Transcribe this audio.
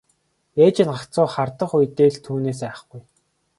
Ээж нь гагцхүү хардах үедээ л түүнээс айхгүй.